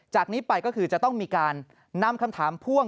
จากนี้ไปก็คือจะต้องมีการนำคำถามพ่วง